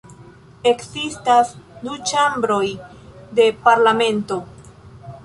Ekzistas du ĉambroj de parlamento.